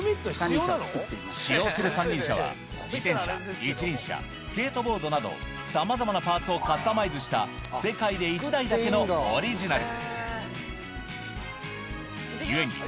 使用する三輪車は、自転車、一輪車、スケートボードなど、さまざまなパーツをカスタマイズした世界で一台だけのオリジナル。